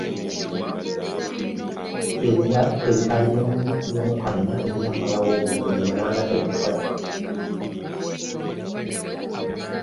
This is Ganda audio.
Ebigaali by'omukka bina ebyamalawo obuwumbi munaana tebikola